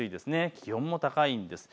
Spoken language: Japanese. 気温も高いんです。